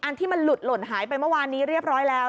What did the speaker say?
ที่มันหลุดหล่นหายไปเมื่อวานนี้เรียบร้อยแล้ว